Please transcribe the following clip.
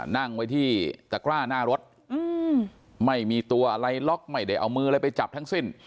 นั่งไว้ที่ตะกร้าหน้ารถไม่มีตัวอะไรล็อกไม่ได้เอามืออะไรไปจับทั้งสิ้น